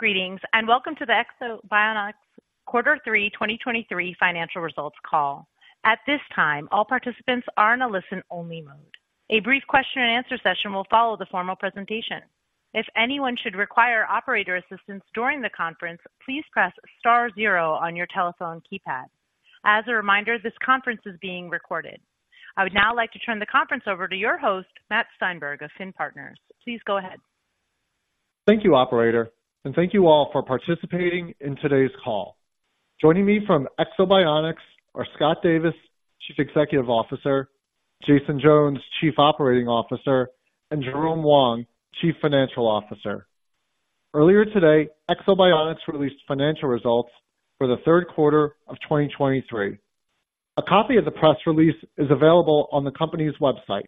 Greetings, and welcome to the Ekso Bionics Quarter Three 2023 Financial Results Call. At this time, all participants are in a listen-only mode. A brief question-and-answer session will follow the formal presentation. If anyone should require operator assistance during the conference, please press star zero on your telephone keypad. As a reminder, this conference is being recorded. I would now like to turn the conference over to your host, Matt Steinberg of FINN Partners. Please go ahead. Thank you, operator, thank you all for participating in today's call. Joining me from Ekso Bionics are Scott Davis, Chief Executive Officer, Jason Jones, Chief Operating Officer, and Jerome Wong, Chief Financial Officer. Earlier today, Ekso Bionics released financial results for the third quarter of 2023. A copy of the press release is available on the company's website.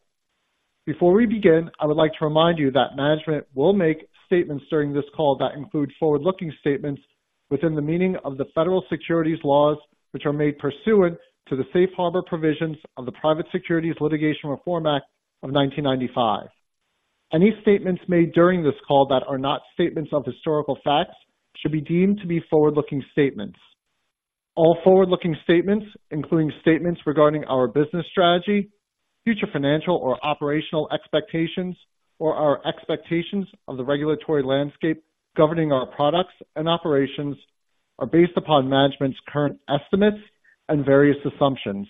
Before we begin, I would like to remind you that management will make statements during this call that include forward-looking statements within the meaning of the federal securities laws, which are made pursuant to the Safe Harbor provisions of the Private Securities Litigation Reform Act of 1995. Any statements made during this call that are not statements of historical facts should be deemed to be forward-looking statements. All forward-looking statements, including statements regarding our business strategy, future financial or operational expectations, or our expectations of the regulatory landscape governing our products and operations, are based upon management's current estimates and various assumptions.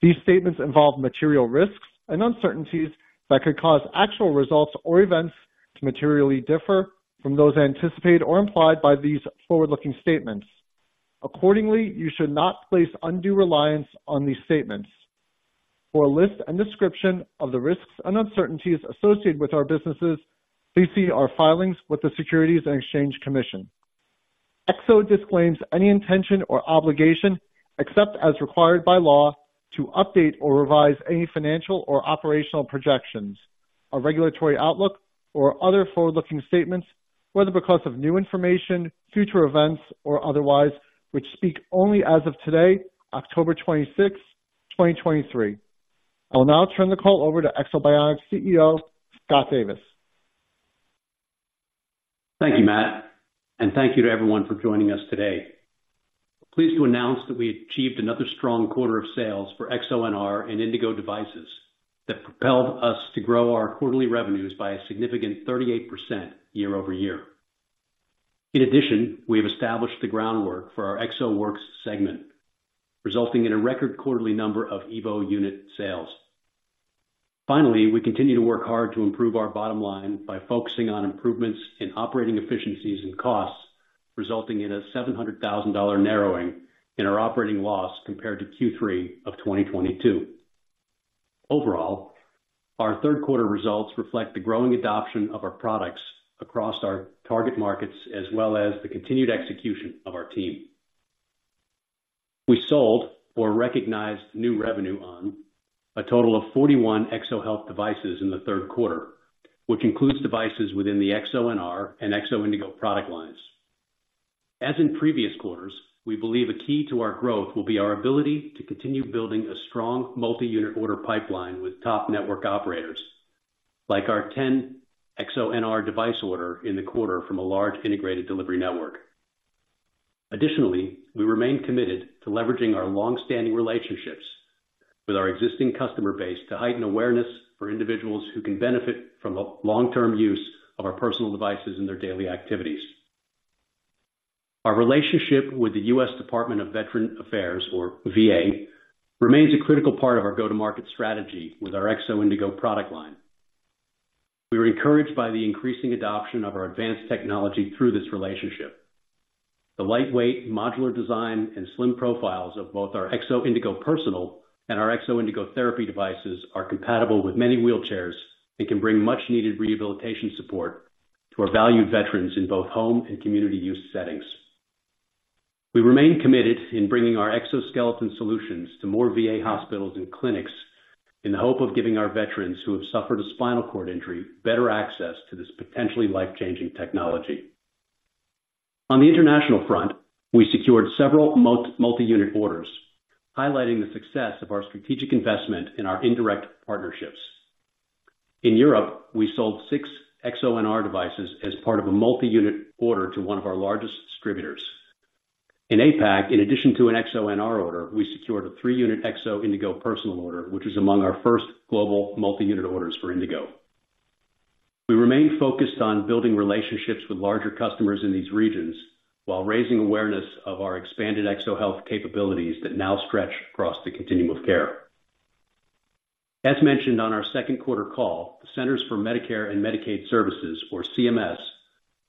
These statements involve material risks and uncertainties that could cause actual results or events to materially differ from those anticipated or implied by these forward-looking statements. Accordingly, you should not place undue reliance on these statements. For a list and description of the risks and uncertainties associated with our businesses, please see our filings with the Securities and Exchange Commission. Ekso disclaims any intention or obligation, except as required by law, to update or revise any financial or operational projections or regulatory outlook or other forward-looking statements, whether because of new information, future events, or otherwise, which speak only as of today, October 26th, 2023. I will now turn the call over to Ekso Bionics CEO, Scott Davis. Thank you, Matt, and thank you to everyone for joining us today. Pleased to announce that we achieved another strong quarter of sales for EksoNR and Indego devices that propelled us to grow our quarterly revenues by a significant 38% year-over-year. In addition, we have established the groundwork for our EksoWorks segment, resulting in a record quarterly number of EVO unit sales. Finally, we continue to work hard to improve our bottom line by focusing on improvements in operating efficiencies and costs, resulting in a $700,000 narrowing in our operating loss compared to Q3 of 2022. Overall, our third quarter results reflect the growing adoption of our products across our target markets as well as the continued execution of our team. We sold or recognized new revenue on a total of 41 EksoHealth devices in the third quarter, which includes devices within the EksoNR and Ekso Indego product lines. As in previous quarters, we believe a key to our growth will be our ability to continue building a strong multi-unit order pipeline with top network operators, like our 10 EksoNR device order in the quarter from a large integrated delivery network. Additionally, we remain committed to leveraging our long-standing relationships with our existing customer base to heighten awareness for individuals who can benefit from the long-term use of our personal devices in their daily activities. Our relationship with the U.S. Department of Veterans Affairs, or VA, remains a critical part of our go-to-market strategy with our Ekso Indego product line. We are encouraged by the increasing adoption of our advanced technology through this relationship. The lightweight, modular design and slim profiles of both our Ekso Indego Personal and our Ekso Indego Therapy devices are compatible with many wheelchairs and can bring much-needed rehabilitation support to our valued veterans in both home and community use settings. We remain committed in bringing our exoskeleton solutions to more VA hospitals and clinics in the hope of giving our veterans who have suffered a spinal cord injury better access to this potentially life-changing technology. On the international front, we secured several multi-unit orders, highlighting the success of our strategic investment in our indirect partnerships. In Europe, we sold 6 EksoNR devices as part of a multi-unit order to one of our largest distributors. In APAC, in addition to an EksoNR order, we secured a 3-unit Ekso Indego Personal order, which is among our first global multi-unit orders for Indego. We remain focused on building relationships with larger customers in these regions while raising awareness of our expanded EksoHealth capabilities that now stretch across the continuum of care. As mentioned on our second quarter call, the Centers for Medicare & Medicaid Services, or CMS,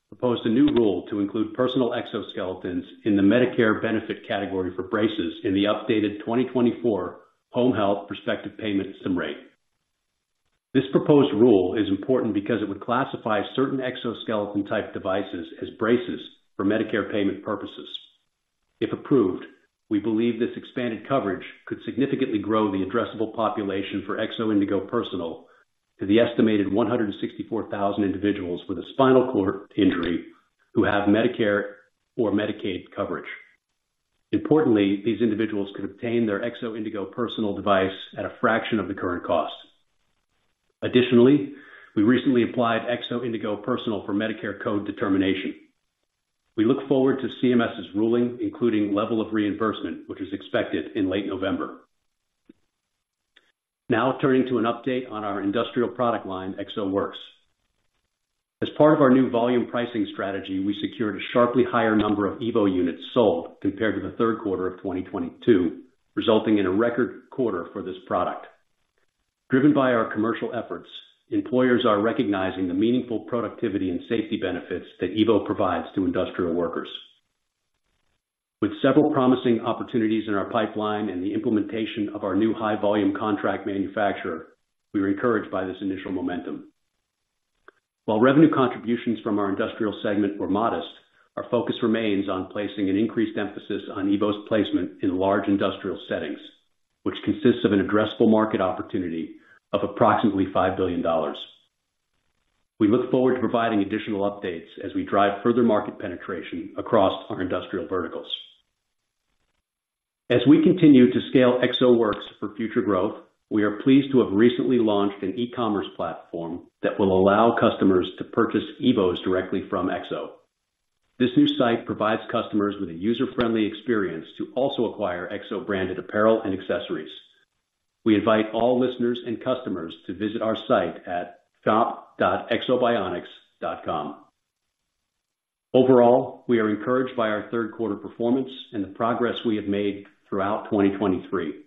proposed a new rule to include personal exoskeletons in the Medicare benefit category for braces in the updated 2024 Home Health Prospective Payment System rate. This proposed rule is important because it would classify certain exoskeleton-type devices as braces for Medicare payment purposes. If approved, we believe this expanded coverage could significantly grow the addressable population for Ekso Indego Personal to the estimated 164,000 individuals with a spinal cord injury who have Medicare or Medicaid coverage. Importantly, these individuals could obtain their Ekso Indego Personal device at a fraction of the current cost. Additionally, we recently applied Ekso Indego Personal for Medicare code determination. We look forward to CMS's ruling, including level of reimbursement, which is expected in late November. Now turning to an update on our industrial product line, EksoWorks. As part of our new volume pricing strategy, we secured a sharply higher number of EVO units sold compared to the third quarter of 2022, resulting in a record quarter for this product. Driven by our commercial efforts, employers are recognizing the meaningful productivity and safety benefits that EVO provides to industrial workers. With several promising opportunities in our pipeline and the implementation of our new high-volume contract manufacturer, we are encouraged by this initial momentum. While revenue contributions from our industrial segment were modest, our focus remains on placing an increased emphasis on EVO's placement in large industrial settings, which consists of an addressable market opportunity of approximately $5 billion. We look forward to providing additional updates as we drive further market penetration across our industrial verticals. As we continue to scale EksoWorks for future growth, we are pleased to have recently launched an e-commerce platform that will allow customers to purchase EVOs directly from Ekso. This new site provides customers with a user-friendly experience to also acquire Ekso-branded apparel and accessories. We invite all listeners and customers to visit our site at shop.eksobionics.com. Overall, we are encouraged by our third quarter performance and the progress we have made throughout 2023.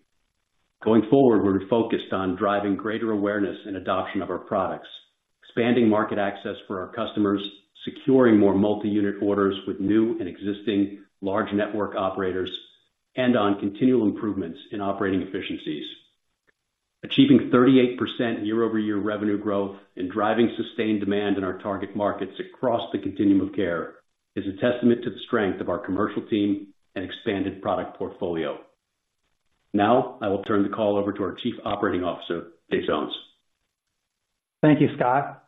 Going forward, we're focused on driving greater awareness and adoption of our products, expanding market access for our customers, securing more multi-unit orders with new and existing large network operators, and on continual improvements in operating efficiencies. Achieving 38% year-over-year revenue growth and driving sustained demand in our target markets across the continuum of care is a testament to the strength of our commercial team and expanded product portfolio. Now, I will turn the call over to our Chief Operating Officer, Jason Jones. Thank you, Scott.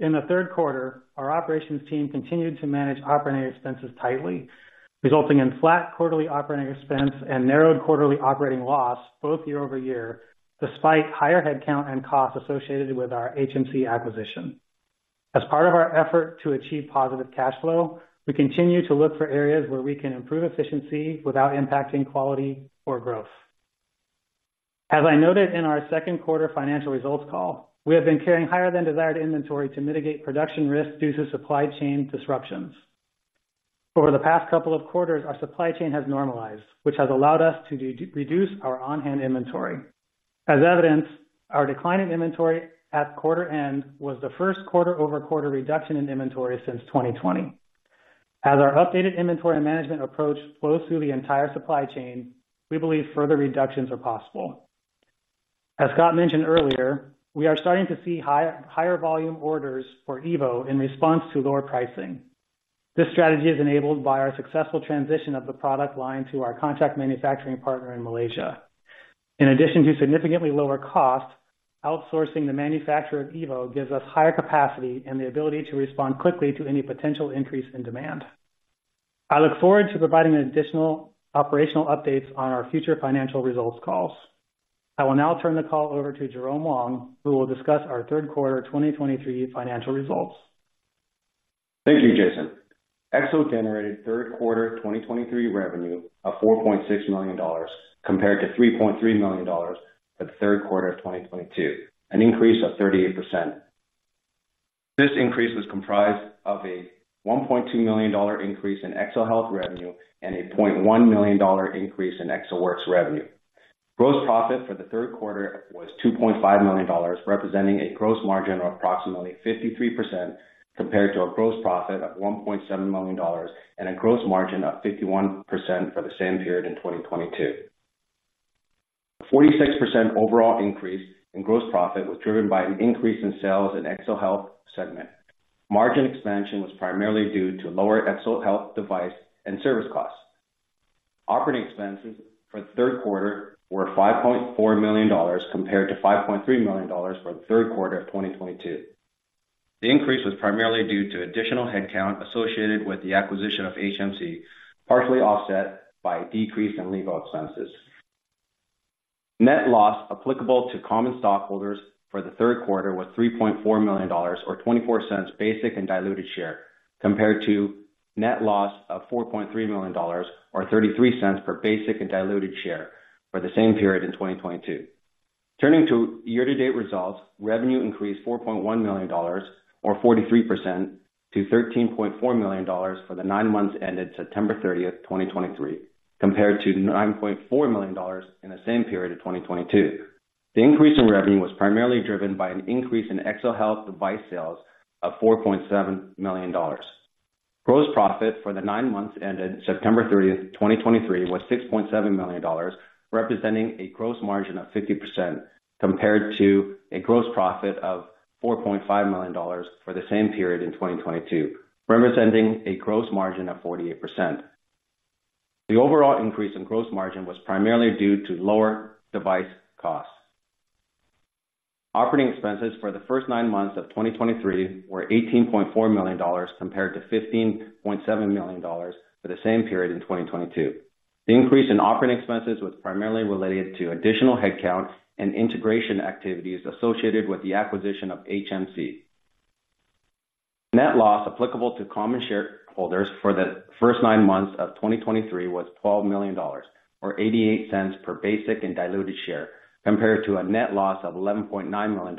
In the third quarter, our operations team continued to manage operating expenses tightly, resulting in flat quarterly operating expense and narrowed quarterly operating loss, both year-over-year, despite higher headcount and costs associated with our HMC acquisition. As part of our effort to achieve positive cash flow, we continue to look for areas where we can improve efficiency without impacting quality or growth. As I noted in our second quarter financial results call, we have been carrying higher than desired inventory to mitigate production risk due to supply chain disruptions. Over the past couple of quarters, our supply chain has normalized, which has allowed us to re-reduce our on-hand inventory. As evidenced, our decline in inventory at quarter end was the first quarter-over-quarter reduction in inventory since 2020. As our updated inventory management approach flows through the entire supply chain, we believe further reductions are possible. As Scott mentioned earlier, we are starting to see higher volume orders for EVO in response to lower pricing. This strategy is enabled by our successful transition of the product line to our contract manufacturing partner in Malaysia. In addition to significantly lower costs, outsourcing the manufacture of EVO gives us higher capacity and the ability to respond quickly to any potential increase in demand. I look forward to providing additional operational updates on our future financial results calls. I will now turn the call over to Jerome Wong, who will discuss our third quarter 2023 financial results. Thank you, Jason. Ekso generated third quarter 2023 revenue of $4.6 million, compared to $3.3 million for the third quarter of 2022, an increase of 38%. This increase was comprised of a $1.2 million increase in EksoHealth revenue and a $0.1 million increase in EksoWorks revenue. Gross profit for the third quarter was $2.5 million, representing a gross margin of approximately 53%, compared to a gross profit of $1.7 million and a gross margin of 51% for the same period in 2022. A 46% overall increase in gross profit was driven by an increase in sales in EksoHealth segment. Margin expansion was primarily due to lower EksoHealth device and service costs. Operating expenses for the third quarter were $5.4 million, compared to $5.3 million for the third quarter of 2022. The increase was primarily due to additional headcount associated with the acquisition of HMC, partially offset by a decrease in legal expenses. Net loss applicable to common stockholders for the third quarter was $3.4 million, or $0.24 basic and diluted share, compared to net loss of $4.3 million, or $0.33 per basic and diluted share for the same period in 2022. Turning to year-to-date results, revenue increased $4.1 million or 43% to $13.4 million for the nine months ended September 30, 2023, compared to $9.4 million in the same period of 2022. The increase in revenue was primarily driven by an increase in EksoHealth device sales of $4.7 million. Gross profit for the nine months ended September thirtieth, 2023, was $6.7 million, representing a gross margin of 50%, compared to a gross profit of $4.5 million for the same period in 2022, representing a gross margin of 48%. The overall increase in gross margin was primarily due to lower device costs. Operating expenses for the first nine months of 2023 were $18.4 million, compared to $15.7 million for the same period in 2022. The increase in operating expenses was primarily related to additional headcount and integration activities associated with the acquisition of HMC. Net loss applicable to common shareholders for the first nine months of 2023 was $12 million, or $0.88 per basic and diluted share, compared to a net loss of $11.9 million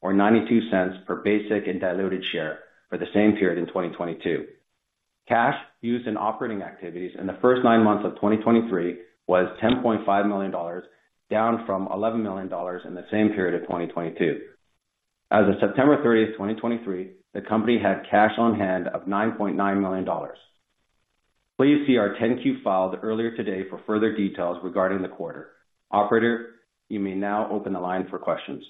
or $0.92 per basic and diluted share for the same period in 2022. Cash used in operating activities in the first nine months of 2023 was $10.5 million, down from $11 million in the same period of 2022. As of September 30, 2023, the company had cash on hand of $9.9 million. Please see our 10-Q filed earlier today for further details regarding the quarter. Operator, you may now open the line for questions.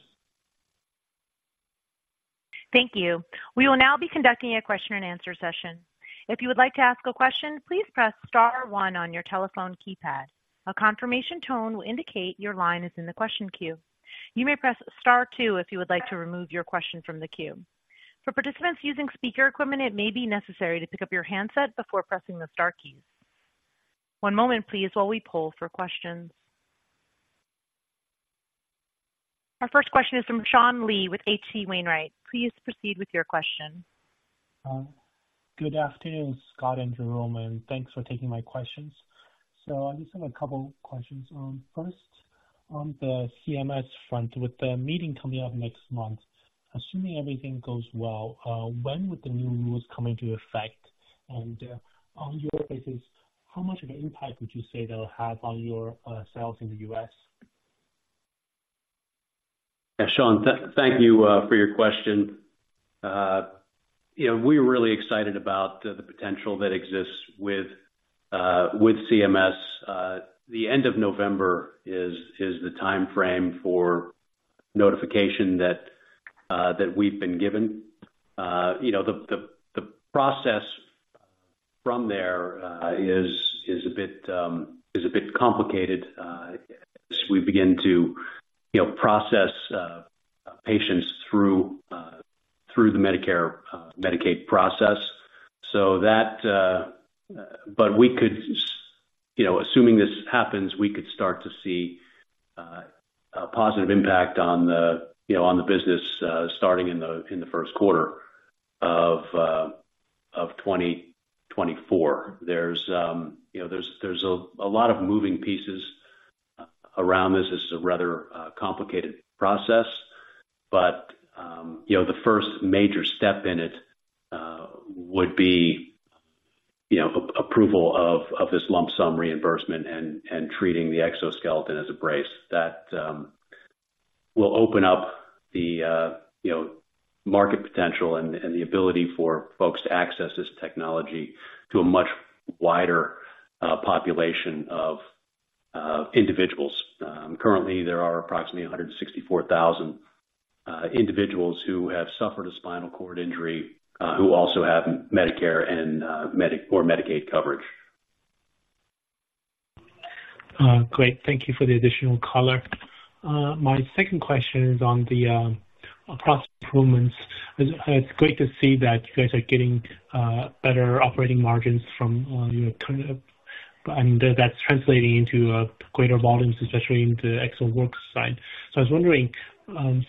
Thank you. We will now be conducting a question and answer session. If you would like to ask a question, please press star one on your telephone keypad. A confirmation tone will indicate your line is in the question queue. You may press * 2 if you would like to remove your question from the queue. For participants using speaker equipment, it may be necessary to pick up your handset before pressing the * keys. One moment, please, while we poll for questions. Our first question is from Sean Lee with H.C. Wainwright. Please proceed with your question. Good afternoon, Scott and Jerome, and thanks for taking my questions. I just have a couple questions. First, on the CMS front, with the meeting coming up next month, assuming everything goes well, when would the new rules come into effect? And, on your basis, how much of an impact would you say they'll have on your sales in the US? Yeah, Sean, thank you for your question. You know, we're really excited about the potential that exists with CMS. The end of November is the timeframe for notification that we've been given. You know, the process from there is a bit complicated. As we begin to, you know, process patients through the Medicare, Medicaid process. That, you know, assuming this happens, we could start to see a positive impact on the business starting in the first quarter of 2024. There's, you know, there's a lot of moving pieces around this. This is a rather complicated process, but you know, the first major step in it would be, you know, approval of this lump sum reimbursement and treating the exoskeleton as a brace. That will open up the you know, market potential and the ability for folks to access this technology to a much wider population of individuals. Currently, there are approximately 164,000 individuals who have suffered a spinal cord injury who also have Medicare and Medicaid coverage. Great. Thank you for the additional color. My second question is on the cost improvements. It's great to see that you guys are getting better operating margins from on your current, and that's translating into greater volumes, especially in the EksoWorks side. So, I was wondering,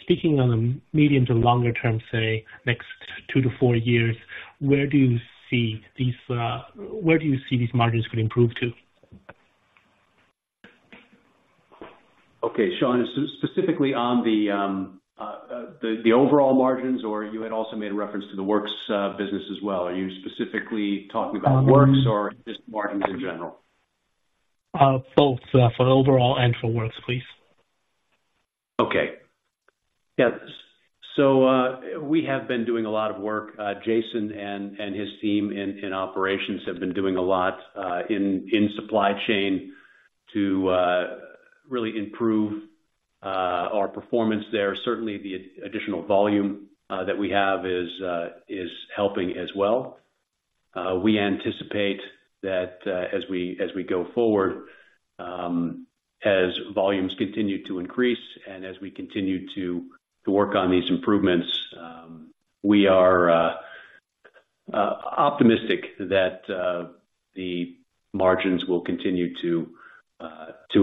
speaking on the medium to longer term, say, next 2-4 years, where do you see, these margins could improve to? Okay, Sean, specifically on the overall margins, or you had also made a reference to the Works business as well. Are you specifically talking about Works or just margins in general? Both, for the overall and for Works, please. Okay. Yes, so, we have been doing a lot of work. Jason and his team in operations have been doing a lot in supply chain to really improve our performance there. Certainly, the additional volume that we have is helping as well. We anticipate that as we go forward, as volumes continue to increase and as we continue to work on these improvements, we are optimistic that the margins will continue to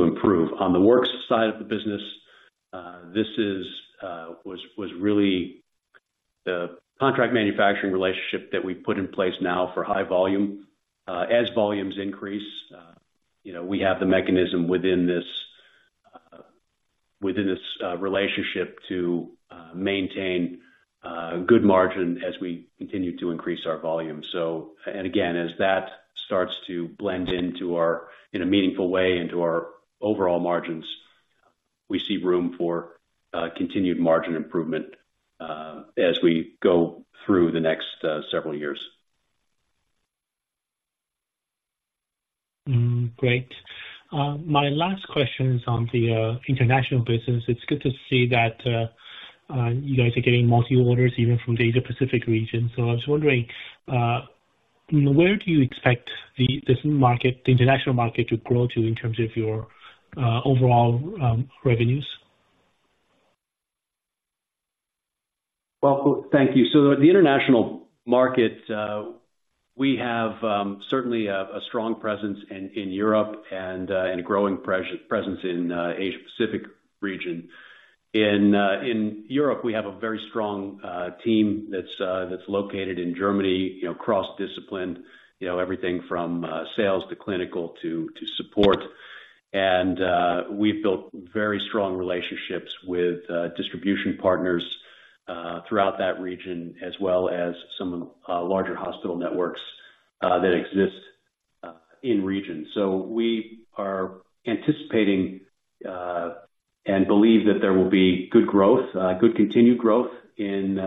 improve. On the Works side of the business, this was really the contract manufacturing relationship that we put in place now for high volume. As volumes increase, you know, we have the mechanism within this, within this relationship to maintain good margin as we continue to increase our volume. So... And again, as that starts to blend into our, in a meaningful way, into our overall margins, we see room for continued margin improvement as we go through the next several years. Great. My last question is on the international business. It's good to see that you guys are getting multi orders, even from the Asia-Pacific region. So I was wondering, where do you expect this market, the international market, to grow to in terms of your overall revenues?... Well, thank you. So the international market, we have certainly a strong presence in Europe and a growing presence in Asia Pacific region. In Europe, we have a very strong team that's located in Germany, you know, cross-disciplined, you know, everything from sales to clinical to support. And we've built very strong relationships with distribution partners throughout that region, as well as some of the larger hospital networks that exist in region. So we are anticipating and believe that there will be good growth, good continued growth in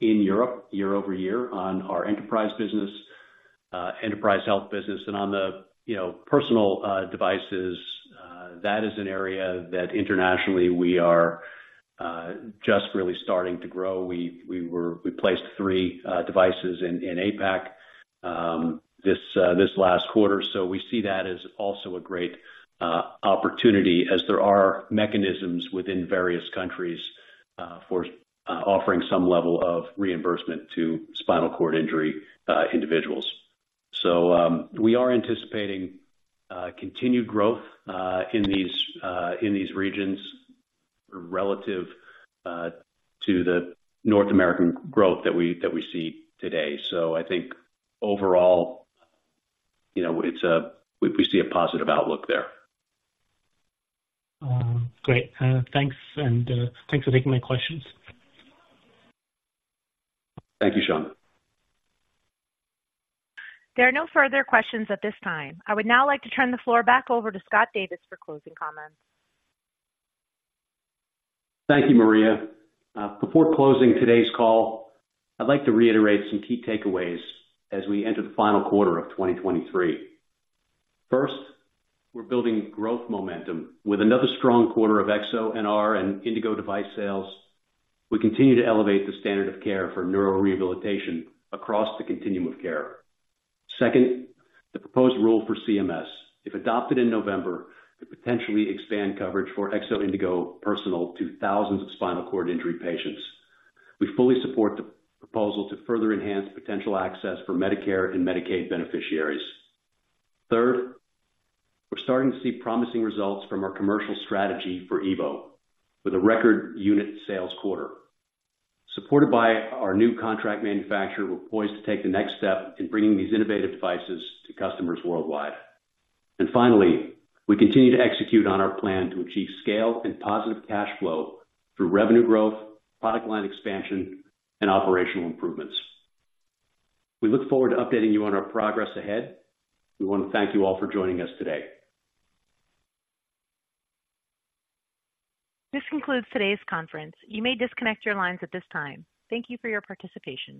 Europe year over year on our enterprise business, enterprise health business and on the, you know, personal devices. That is an area that internationally we are just really starting to grow. We placed three devices in APAC this last quarter. So, we see that as also a great opportunity as there are mechanisms within various countries for offering some level of reimbursement to spinal cord injury individuals. So, we are anticipating continued growth in these regions relative to the North American growth that we see today. So, I think overall, you know, it's we see a positive outlook there. Great. Thanks, and thanks for taking my questions. Thank you, Sean. There are no further questions at this time. I would now like to turn the floor back over to Scott Davis for closing comments. Thank you, Maria. Before closing today's call, I'd like to reiterate some key takeaways as we enter the final quarter of 2023. First, we're building growth momentum. With another strong quarter of EksoNR and Indego device sales, we continue to elevate the standard of care for neurorehabilitation across the continuum of care. Second, the proposed rule for CMS, if adopted in November, could potentially expand coverage for Ekso Indego Personal to thousands of spinal cord injury patients. We fully support the proposal to further enhance potential access for Medicare and Medicaid beneficiaries. Third, we're starting to see promising results from our commercial strategy for EVO, with a record unit sales quarter. Supported by our new contract manufacturer, we're poised to take the next step in bringing these innovative devices to customers worldwide. Finally, we continue to execute on our plan to achieve scale and positive cash flow through revenue growth, product line expansion, and operational improvements. We look forward to updating you on our progress ahead. We want to thank you all for joining us today. This concludes today's conference. You may disconnect your lines at this time. Thank you for your participation.